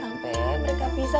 jangan sampai mereka pisah